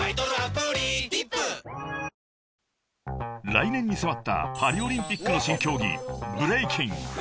［来年に迫ったパリオリンピックの新競技ブレイキン］